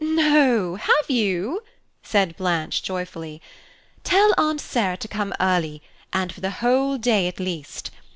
"No, have you?" said Blanche joyfully. "Tell Aunt Sarah to come early, and for the whole day at least!